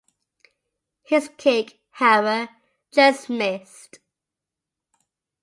His kick, however, just missed.